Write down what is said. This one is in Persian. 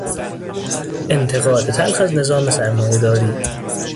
انتقاد تلخ از نظام سرمایهداری